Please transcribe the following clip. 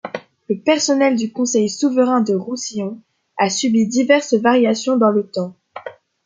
Le personnel du Conseil Souverain du Roussillon a subi diverses variations dans le temps.